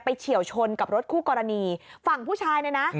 เฉียวชนกับรถคู่กรณีฝั่งผู้ชายเนี่ยนะ